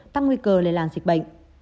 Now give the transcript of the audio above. tăng nguy cơ lây lan dịch bệnh